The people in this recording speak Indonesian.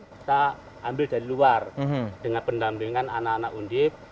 kita ambil dari luar dengan pendampingan anak anak undip